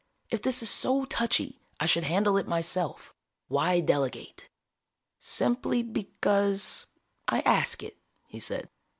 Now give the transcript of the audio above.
If this is so touchy, I should handle it myself. Why delegate?" "Simply because, I ask it," he said.